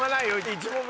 １問目。